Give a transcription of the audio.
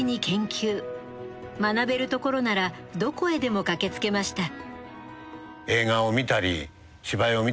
学べるところならどこへでも駆けつけました。